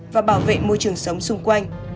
và bảo vệ môi trường sống xung quanh